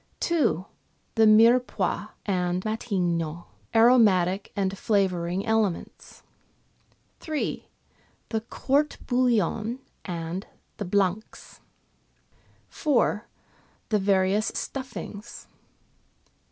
2. The " Mirepoix " and " Matignon " aromatic and flavouring elements. 3. The " Court Bouillon " and the " Blancs." 4. The various stuffings.